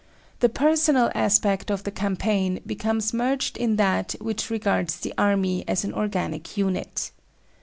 The personal aspect of the campaign becomes merged in that which regards the army as an organic unit.